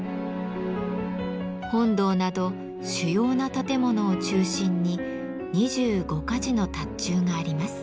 本堂など主要な建物を中心に２５か寺の塔頭があります。